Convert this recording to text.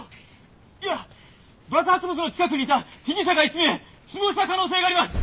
いや爆発物の近くにいた被疑者が１名死亡した可能性があります。